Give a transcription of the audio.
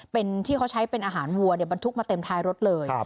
เป็นที่เขาใช้เป็นอาหารวัวบรรทุกมาเต็มท้ายรถเลย